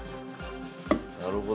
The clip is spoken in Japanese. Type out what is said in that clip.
なるほど。